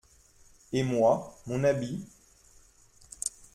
Et moi, mon habit…